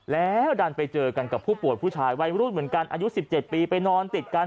แล้วดันไปเจอกันกับผู้ป่วยผู้ชายวัยรุ่นเหมือนกันอายุ๑๗ปีไปนอนติดกัน